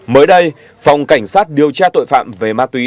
mới đây phòng cảnh sát điều tra tội phạm về ma túy